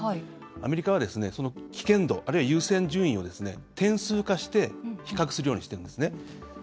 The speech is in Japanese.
アメリカは危険度あるいは優先順位を点数化して比較するようにしているんですね。